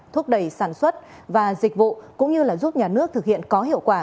thúc đẩy sản xuất và dịch vụ cũng như giúp nhà nước thực hiện có hiệu quả